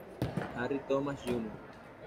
Harry Thomas, Jr.